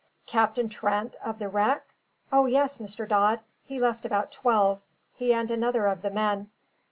"Captain Trent, of the wreck? O yes, Mr. Dodd; he left about twelve; he and another of the men.